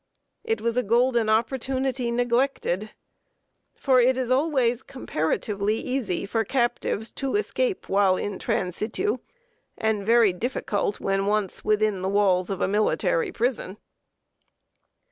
It was a golden opportunity neglected; for it is always comparatively easy for captives to escape while in transitu, and very difficult when once within the walls of a military prison.